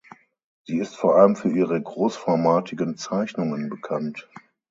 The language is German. Sie ist vor allem für ihre großformatigen Zeichnungen bekannt.